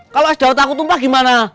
kalo es dawa takut umpah gimana